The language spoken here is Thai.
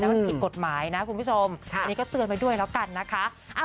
มันผิดกฎหมายนะคุณผู้ชมอันนี้ก็เตือนไว้ด้วยแล้วกันนะคะ